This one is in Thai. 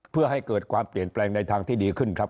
เพื่อให้เกิดความเปลี่ยนแปลงในทางที่ดีขึ้นครับ